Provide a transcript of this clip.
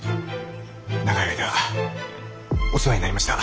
長い間お世話になりました。